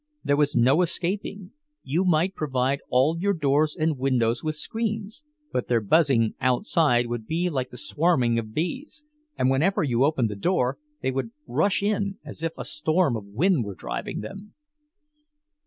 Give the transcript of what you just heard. There was no escaping; you might provide all your doors and windows with screens, but their buzzing outside would be like the swarming of bees, and whenever you opened the door they would rush in as if a storm of wind were driving them.